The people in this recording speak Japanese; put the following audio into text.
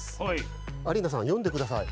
アリーナさんよんでください。